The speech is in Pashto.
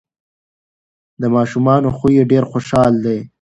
د ماشومانو خوی یې ډیر خوشحال دی.